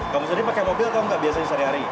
kamu sendiri pakai mobil kamu nggak biasanya sehari hari